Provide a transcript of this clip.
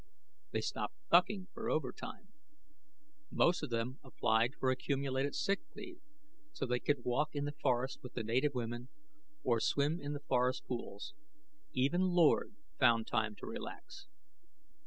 They stopped bucking for overtime; most of them applied for accumulated sick leave so they could walk in the forest with the native women, or swim in the forest pools. Even Lord found time to relax.